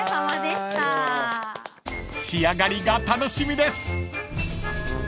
［仕上がりが楽しみです！］